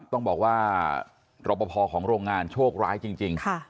ต้องบอกว่ารอปภของโรงงานโชคร้ายจริง